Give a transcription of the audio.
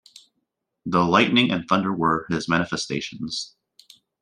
The lightning and thunder were his manifestations.